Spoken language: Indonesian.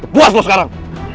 buas lo sekarang